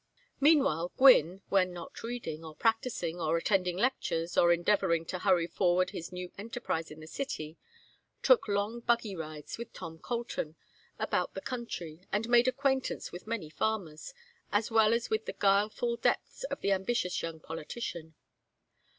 Meanwhile Gwynne, when not reading, or practising, or attending lectures, or endeavoring to hurry forward his new enterprise in the city, took long buggy rides with Tom Colton about the country, and made acquaintance with many farmers, as well as with the guileful depths of the ambitious young politician.